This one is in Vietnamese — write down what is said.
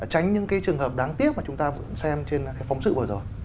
tránh những cái trường hợp đáng tiếc mà chúng ta xem trên cái phóng sự vừa rồi